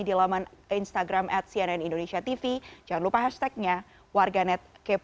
selamat malam mak bye